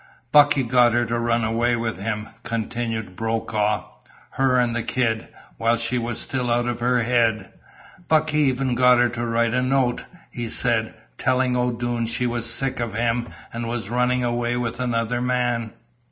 "Bucky got her to run away with him," continued Brokaw. "Her and the kid, while she was still out of her head. Bucky even got her to write a note, he said, telling O'Doone she was sick of him an' was running away with another man.